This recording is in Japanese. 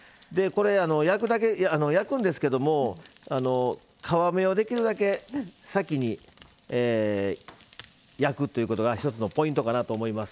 焼くんですけれども皮目をできるだけ先に焼くということが一つのポイントかなと思います。